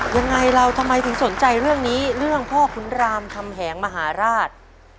ยังไงเราทำไมถึงสนใจเรื่องนี้เรื่องพ่อขุนรามคำแหงมหาราช